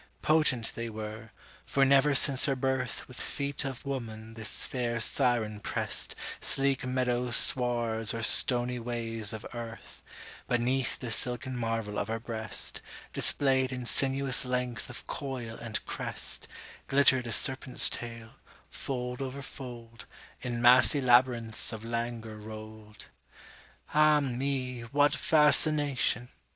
Potent they were: for never since her birthWith feet of woman this fair siren pressedSleek meadow swards or stony ways of earth; But 'neath the silken marvel of her breast, Displayed in sinuous length of coil and crest, Glittered a serpent's tail, fold over fold, In massy labyrinths of languor rolled. Ah me! what fascination!